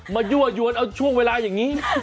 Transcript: ยั่วยวนเอาช่วงเวลาอย่างนี้